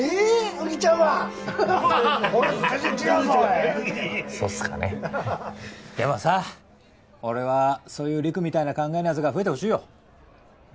お兄ちゃんは俺らと全然違うぞおいそっすかねでもさ俺はそういう陸みたいな考えのヤツが増えてほしいよ